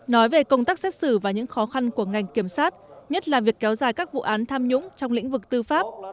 nói về công tác xét xử và những khó khăn của ngành kiểm sát nhất là việc kéo dài các vụ án tham nhũng trong lĩnh vực tư pháp